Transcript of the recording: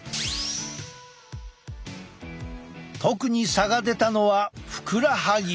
特に差が出たのはふくらはぎ。